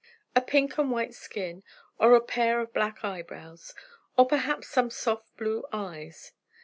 "A pink and white skin, or a pair of black eyebrows, or perhaps some soft blue eyes."